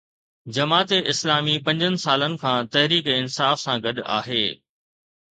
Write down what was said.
جماعت اسلامي پنجن سالن کان تحريڪ انصاف سان گڏ آهي.